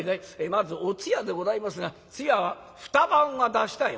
「まずお通夜でございますが通夜は２晩は出したい」。